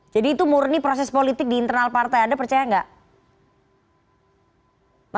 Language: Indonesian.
jadi itu murni proses politik di internal partai anda percaya nggak